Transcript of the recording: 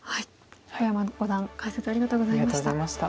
小山五段解説ありがとうございました。